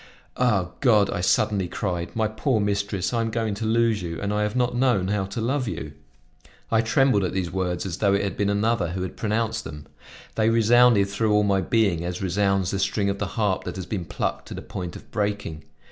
"Ah! God!" I suddenly cried, "my poor mistress, I am going to lose you and I have not known how to love you!" I trembled at these words as though it had been another who had pronounced them; they resounded through all my being as resounds the string of the harp that has been plucked to the point of breaking.